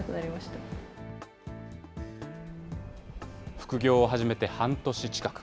副業を始めて半年近く。